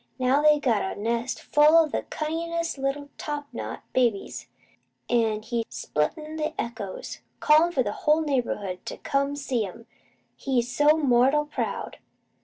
Now they've got a nest full o' the cunningest little topknot babies, an' he's splittin' the echoes, calling for the whole neighbourhood to come see 'em, he's so mortal proud.